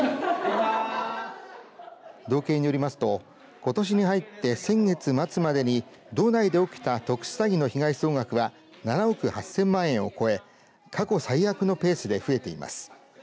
道警によりますとことしに入って先月末までに道内で起きた特殊詐欺の被害総額は７億８０００万円を超え過去最悪のペースで増えています。